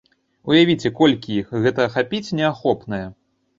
Уявіце, колькі іх, гэта ахапіць неахопнае.